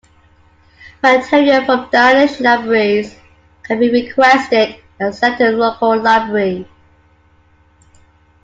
Material from Danish libraries can be requested and sent to the local library.